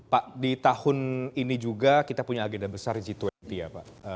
pak di tahun ini juga kita punya agenda besar g dua puluh ya pak